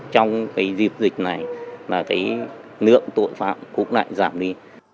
trong cái dịp dịch này là cái lượng tội phạm cũng lại giảm đi